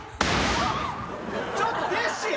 ちょっとテッシー！